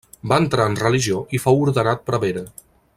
Va entrar en religió i fou ordenat prevere.